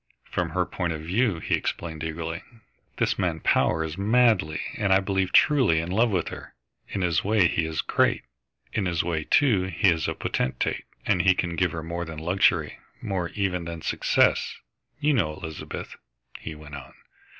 "From her point of view," he explained eagerly. "This man Power is madly and I believe truly in love with her. In his way he is great; in his way, too, he is a potentate. He can give her more than luxury, more, even, than success. You know Elizabeth," he went on.